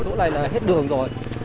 đỗ này là hết đường rồi